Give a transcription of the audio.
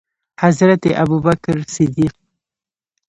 حضرت ابوبکر صدیق